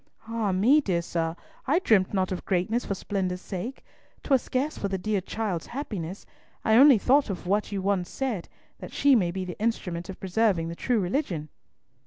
"Ah me, dear sir, I dreamt not of greatness for splendour's sake—'twere scarce for the dear child's happiness. I only thought of what you once said, that she may be the instrument of preserving the true religion."